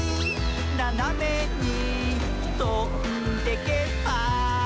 ななめにとんでけば」